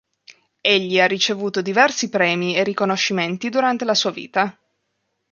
Egli ha ricevuto diversi premi e riconoscimenti durante la sua vita.